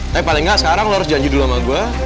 tapi paling nggak sekarang lo harus janji dulu sama gue